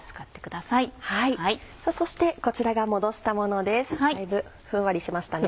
だいぶふんわりしましたね。